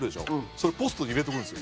それポストに入れとくんですよ。